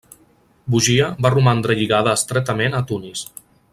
Bugia va romandre lligada estretament a Tunis.